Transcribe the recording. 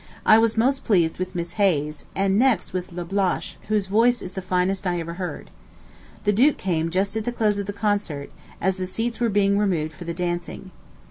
I was most pleased with Miss Hayes, and next with Lablache, whose voice is the finest I ever heard. The duke came just at the close of the concert, as the seats were being removed for the dancing. Mr.